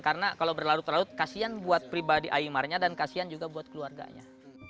karena kalau berlarut larut kasian buat pribadi aymarnya dan kasian juga buat keluarganya